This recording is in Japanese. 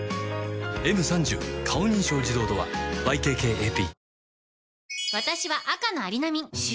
「Ｍ３０ 顔認証自動ドア」ＹＫＫＡＰ